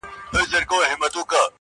چي به شپه ورباندي تېره ورځ به شپه سوه!.